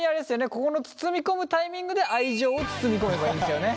ここの包み込むタイミングで愛情を包み込めばいいんですよね？